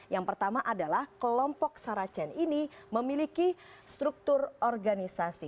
yang pertama adalah kelompok saracen ini memiliki struktur organisasi